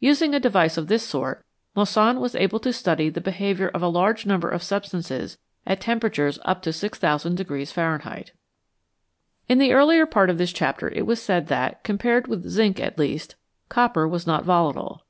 Using a device of this sort, Moissan was able to study the behaviour of a large number of substances at temperatures up to 6000 Fahrenheit. In the earlier part of this chapter it was said that, compared with zinc at least, copper was not volatile.